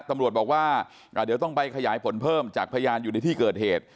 ตำรวจบอกว่าเดี๋ยวต้องไปขยายผลเพิ่มจากพยานอยู่ในที่เกิดเหตุ